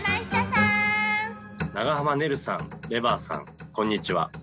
長濱ねるさんレバーさんこんにちは！